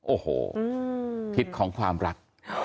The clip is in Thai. โอ้โหพิษของความรัก